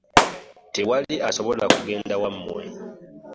Tewali asobola kugenda wamwe.